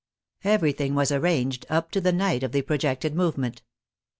Everything was arranged up to the night of the projected movement.